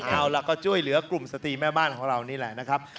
เอาล่ะก็ช่วยเหลือกลุ่มสตรีแม่บ้านของเรานี่แหละนะครับ